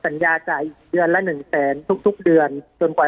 ปากกับภาคภูมิ